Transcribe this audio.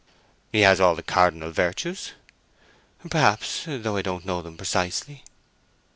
"He has all the cardinal virtues." "Perhaps—though I don't know them precisely."